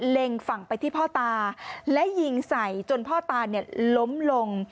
เล็งฝั่งไปที่พ่อตาและยิงใส่จนพ่อตาเนี่ยล้มลง